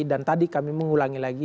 dan tadi kami mengulangi lagi